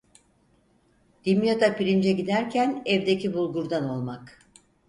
Dimyat'a pirince giderken evdeki bulgurdan olmak.